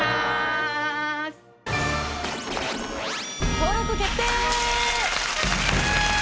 登録決定！